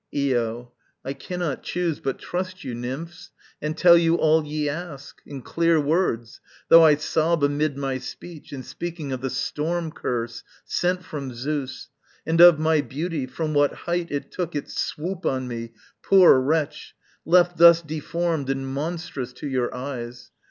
Io. I cannot choose But trust you, nymphs, and tell you all ye ask, In clear words though I sob amid my speech In speaking of the storm curse sent from Zeus, And of my beauty, from what height it took Its swoop on me, poor wretch! left thus deformed And monstrous to your eyes.